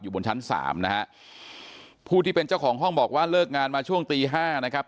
บนชั้นสามนะฮะผู้ที่เป็นเจ้าของห้องบอกว่าเลิกงานมาช่วงตีห้านะครับ